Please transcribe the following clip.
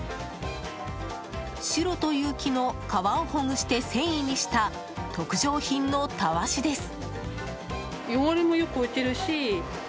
シュロという木の皮をほぐして繊維にした、特上品のたわしです。